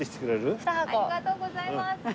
ありがとうございます。